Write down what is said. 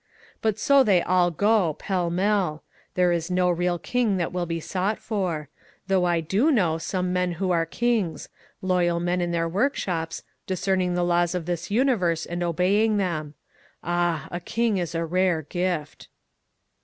^* But so they all go — pell mell. There is no real king that will be sought for; though I do know some men who are kings — loyal men in their workshops, discerning the laws of this universe and obeying them. Ah, a king is a rare gift